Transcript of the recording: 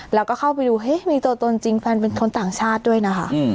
แล้วก็เข้าไปดูเฮ้ยมีตัวตนจริงแฟนเป็นคนต่างชาติด้วยนะคะ